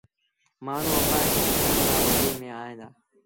مآڻهوٚٚݩ آݩبآݩ کي ڏسڻ لآ منڊيٚ ميݩ ائيٚݩ دآ۔